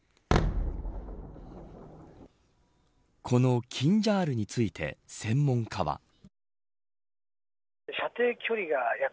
このキンジャールについて専門家は。